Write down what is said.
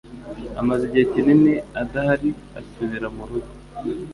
Amaze igihe kinini adahari, asubira mu rugo.